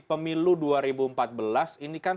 pemilu dua ribu empat belas ini kan